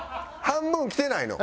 半分来てないの？